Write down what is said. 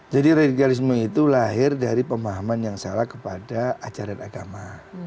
jadi radikalisme itu lahir dari pemahaman yang salah kepada ajaran agama